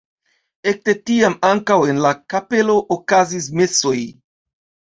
Ekde tiam ankaŭ en la kapelo okazis mesoj.